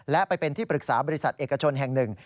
และไปเป็นที่ปรึกษาบริษัทเอกชนแห่งหนึ่ง